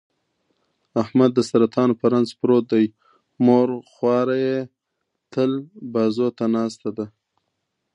احمد د سرطان په رنځ پروت دی، مور خواره یې تل بازوته ناسته ده.